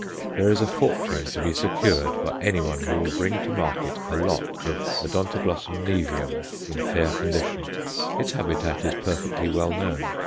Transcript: There is a fortune to be secured by anyone who will bring to market a lot of O. noeveum in fair condition. Its habitat is perfectly well known.